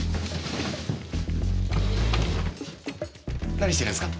何してるんですか？